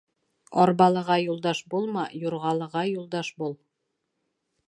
Арбалыға юлдаш булма, юрғалыға юлдаш бул.